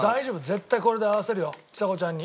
絶対これで合わせるよちさ子ちゃんに。